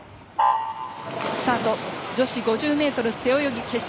スタート女子５０ｍ背泳ぎ決勝。